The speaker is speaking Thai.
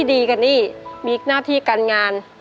โดยโปรแกรมแม่รักลูกมาก